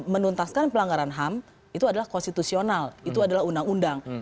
menuntaskan pelanggaran ham itu adalah konstitusional itu adalah undang undang